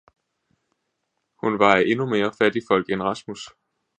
hun var af endnu mere fattigfolk, end Rasmus.